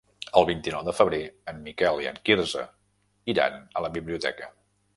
El vint-i-nou de febrer en Miquel i en Quirze iran a la biblioteca.